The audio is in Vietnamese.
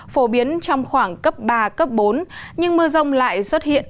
phổ biến trong khoảng cấp ba cấp bốn nhưng mưa rông lại xuất hiện